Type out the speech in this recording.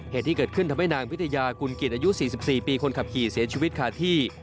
เหตุที่เกิดขึ้นทำให้นางพิทยากุลกิจอายุ๔๔ปีคนขับขี่เสียชีวิตขาดที่